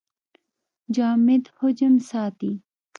جامد حجم ساتي.